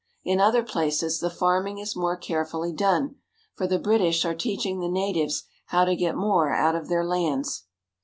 In other places the farming is more carefully done ; for the British are teaching the natives how to get more out of their lands.